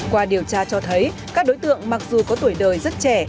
qua điều tra cho thấy các đối tượng mặc dù có tuổi đời rất trẻ